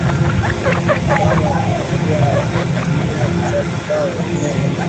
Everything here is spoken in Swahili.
kama zingekuwa zinatumia sarafu zao wenyewe